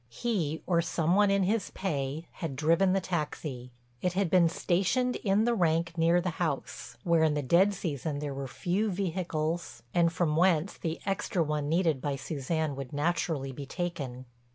He—or some one in his pay—had driven the taxi. It had been stationed in the rank near the house, where in the dead season there were few vehicles and from whence the extra one needed by Suzanne would naturally be taken.